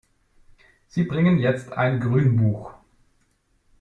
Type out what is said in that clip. Sie bringen jetzt ein Grünbuch.